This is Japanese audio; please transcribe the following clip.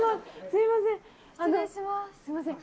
すいません。